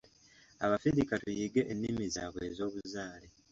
Abafirika tuyige ennimi zaabwe ez'obuzaale.